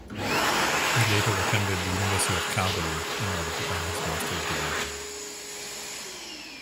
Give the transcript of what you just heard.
He later attended the University of Calgary in order to earn his master's degree.